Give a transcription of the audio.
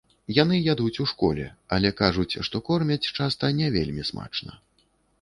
Яны ядуць у школе, але кажуць, што кормяць часта не вельмі смачна.